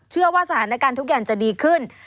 เชื่อว่าสถานการณ์ทุกอย่างจะดีขึ้น